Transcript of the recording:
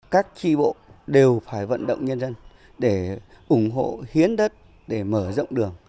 các tri bộ đều phải vận động nhân dân để ủng hộ hiến đất để mở rộng đường